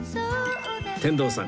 天童さん